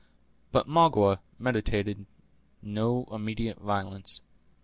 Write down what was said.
But Magua meditated no immediate violence.